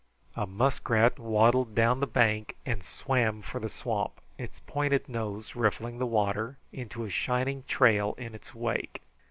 A muskrat waddled down the bank and swam for the swamp, its pointed nose riffling the water into a shining trail in its wake.